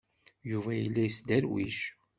Yuba yella yesderwic.